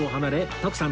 徳さん。